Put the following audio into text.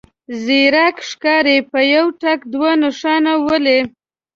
ځيرک ښکاري په يوه ټک دوه نښانه ولي.